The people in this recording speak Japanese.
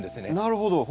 なるほど。